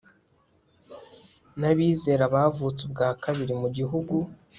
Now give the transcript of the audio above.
n abizera bavutse ubwa kabiri mugihugu